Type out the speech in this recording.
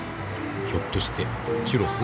ひょっとしてチュロス？